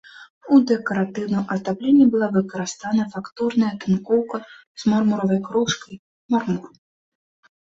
У дэкаратыўным аздабленні была выкарыстана фактурная тынкоўка з мармуровай крошкай, мармур.